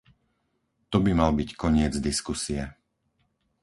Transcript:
To by mal byť koniec diskusie.